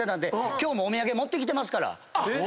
今日もお土産持ってきてます。